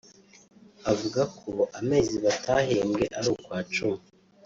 Avuga ko amezi batahembwe ari ukwa cumi